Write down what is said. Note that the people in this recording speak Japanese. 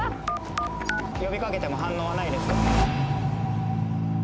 呼びかけても反応はないですか？